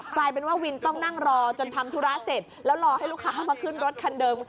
กลายเป็นว่าวินต้องนั่งรอจนทำธุระเสร็จแล้วรอให้ลูกค้ามาขึ้นรถคันเดิม